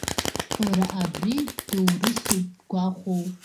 Бара абри доурысуп бгәахәоу?